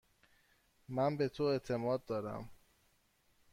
من به تو اعتماد دارم.